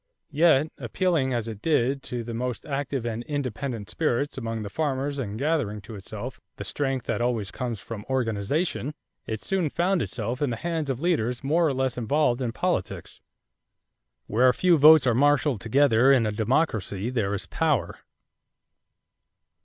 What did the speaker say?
Yet, appealing as it did to the most active and independent spirits among the farmers and gathering to itself the strength that always comes from organization, it soon found itself in the hands of leaders more or less involved in politics. Where a few votes are marshaled together in a democracy, there is power.